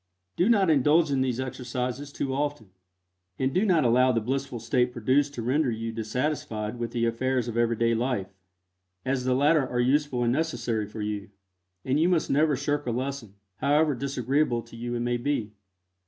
Do not indulge in these exercises too often, and do not allow the blissful state produced to render you dissatisfied with the affairs of everyday life, as the latter are useful and necessary for you, and you must never shirk a lesson, however disagreeable to you it may be.